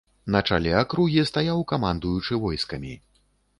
На чале акругі стаяў камандуючы войскамі.